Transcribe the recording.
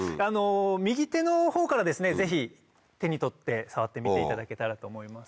右手の方からですねぜひ手に取って触ってみていただけたらと思います。